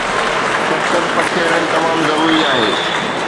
شفقت پکيڙڻ تمام ضروري آهي